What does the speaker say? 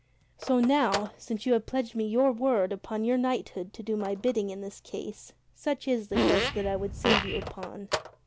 So now, since you have pledged me your word upon your knighthood to do my bidding in this case, such is the quest that I would send you upon."